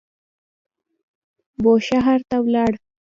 بوشهر ته ولاړ.